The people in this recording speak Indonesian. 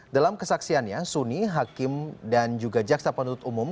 dalam kesaksiannya suni hakim dan juga jaksa penuntut umum